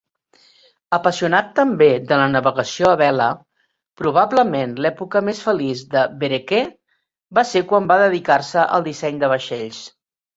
Apassionat també de la navegació a vela, probablement l'època més feliç de Vereker va ser quan va dedicar-se al disseny de vaixells.